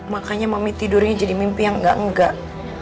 makanya mami tidurnya jadi mimpi yang enggak enggak